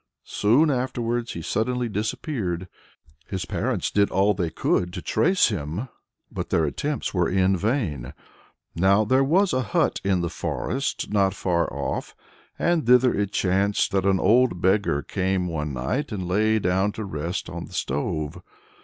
Soon afterwards he suddenly disappeared. His parents did all they could to trace him, but their attempts were in vain. Now there was a hut in the forest not far off, and thither it chanced that an old beggar came one night, and lay down to rest on the stove.